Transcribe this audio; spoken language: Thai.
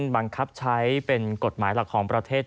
บังคับใช้เป็นกฎหมายหลักของประเทศ